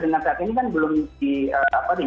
dengan saat ini kan belum di apa nih